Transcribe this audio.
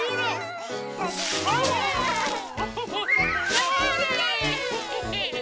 それ！